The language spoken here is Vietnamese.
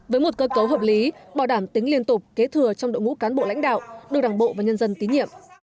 với một cơ cấu hợp lý bảo đảm tính liên tục kế thừa trong đội ngũ cán bộ lãnh đạo đội đảng bộ và nhân dân tín nhiệm